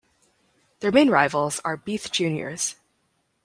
Their main rivals are Beith Juniors.